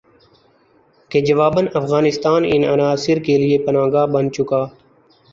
کہ جوابا افغانستان ان عناصر کے لیے پناہ گاہ بن چکا